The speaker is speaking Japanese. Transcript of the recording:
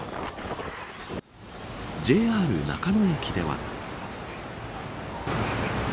ＪＲ中野駅では。